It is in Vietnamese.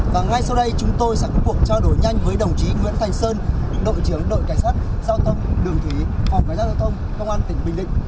và ngay sau đây chúng tôi sẽ có cuộc trao đổi nhanh với đồng chí nguyễn thành sơn đội trưởng đội cảnh sát giao thông đường thủy phòng cảnh sát giao thông công an tỉnh bình định